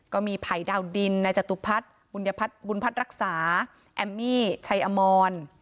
ก็มีภัยดาวดินนายจตุพัฒน์บุญพัฒน์รักษาแอมมี่ชัยอมร